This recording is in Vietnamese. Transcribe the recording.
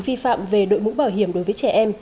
vi phạm về đội mũ bảo hiểm đối với trẻ em